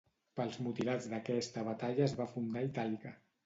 Pels mutilats d'aquesta batalla es va fundar Itàlica.